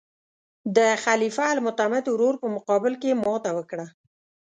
د خلیفه المعتمد ورور په مقابل کې یې ماته وکړه.